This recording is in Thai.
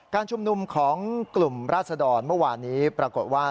การชุมนุมของกลุ่มราศดรเมื่อวานนี้ปรากฏว่า